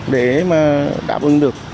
để mà đảm bảo được